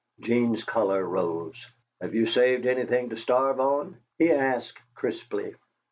Eugene's color rose. "Have you saved up anything to starve on?" he asked, crisply.